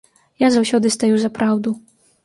Я заўсёды стаю за праўду!